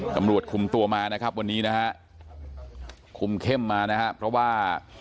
ตำรวจคุมตัวมานะครับวันนี้นะฮะคุมเข้มมานะครับเพราะว่า